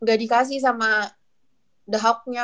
jadi gak dikasih sama the hug nya